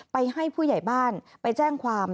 ให้ผู้ใหญ่บ้านไปแจ้งความ